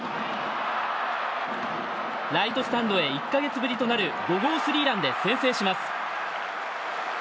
ライトスタンドへ１か月ぶりとなる５号スリーランで先制します。